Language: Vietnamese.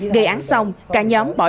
gây án xong cả nhóm bảo hiểm